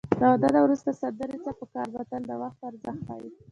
له واده نه وروسته سندرې څه په کار متل د وخت ارزښت ښيي